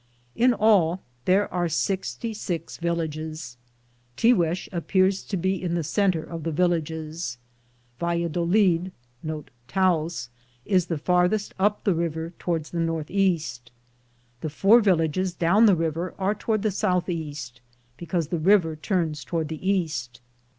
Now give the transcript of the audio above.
In all, there are sixty six villages. Tiguex appears to be in the center of the villages. Valladolid is the farthest up the river tow ard the northeast. The four villages down the river are toward the southeast, because the river turns toward the east.